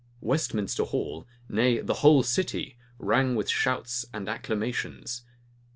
Westminster Hall, nay, the whole city, rang with shouts and acclamations.